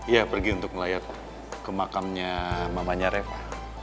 ya pergi untuk melayar ke makamnya mamanya reva